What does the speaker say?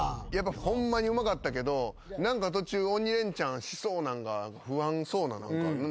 ホンマにうまかったけど何か途中鬼レンチャンしそうなんが不安そうな何か。